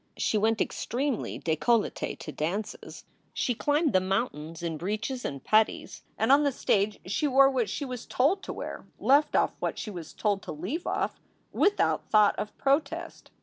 She went extremely decolleUe to dances; she climbed the mountains in breeches and puttees; and on the stage she wore what she was told to wear, left off what she was told to leave off, without thought of protest.